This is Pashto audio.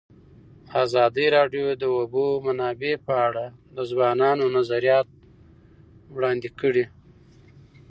ازادي راډیو د د اوبو منابع په اړه د ځوانانو نظریات وړاندې کړي.